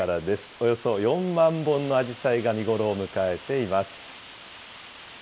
およそ４万本のあじさいが見頃を迎えています。